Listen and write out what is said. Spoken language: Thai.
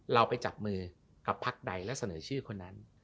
เราไปจับมือกับพักใดและเสนอชื่อคนนั้น